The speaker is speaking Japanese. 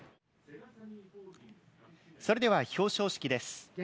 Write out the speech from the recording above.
それでは表彰式です。